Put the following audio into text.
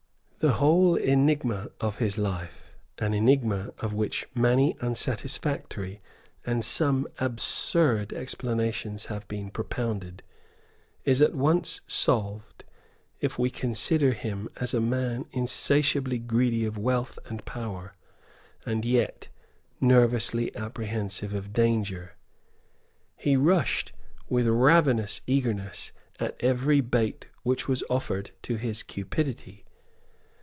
The whole enigma of his life, an enigma of which many unsatisfactory and some absurd explanations have been propounded, is at once solved if we consider him as a man insatiably greedy of wealth and power, and yet nervously apprehensive of danger. He rushed with ravenous eagerness at every bait which was offered to his cupidity.